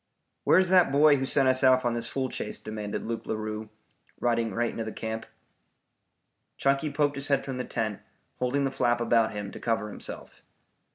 "Where's that boy who sent us off on this fool chase?" demanded Luke Larue, riding right into the camp. Chunky poked his head from the tent, holding the flap about him to cover himself.